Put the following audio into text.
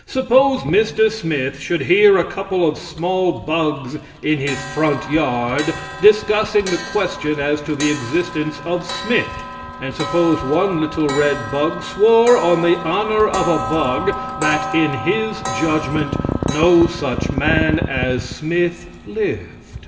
Suppose Mr. Smith should hear a couple of small bugs in his front yard discussing the question as to the existence of Smith; and suppose one little red bug swore on the honor of a bug that, in his judgment, no such man as Smith lived.